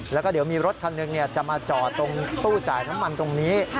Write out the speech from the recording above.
แล้วก็เดี๋ยวมีรถคันหนึ่งจะมาจอดตรงตู้จ่ายน้ำมันตรงนี้